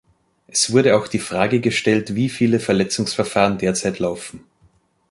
Es wurde auch die Frage gestellt, wie viele Verletzungsverfahren derzeit laufen.